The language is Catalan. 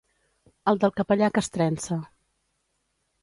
El del capellà castrense.